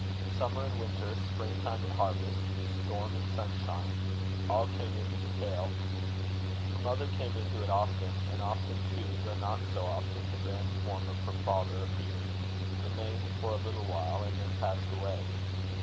Summer and winter, spring time and harvest, storm and sunshine, all came into the tale. Her mother came into it often; and often too, though not so often, the grand form of her father appeared, remained for a little while, and then passed away.